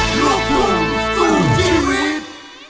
ลูกคุมสู่ชีวิต